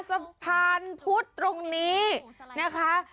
สะพานพุธตรงนี้นะคะ